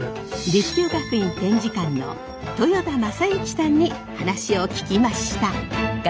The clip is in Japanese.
立教学院展示館の豊田雅幸さんに話を聞きました。